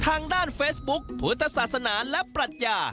ทางด้านเฟซบุ๊คพุทธศาสนาและปรัชญา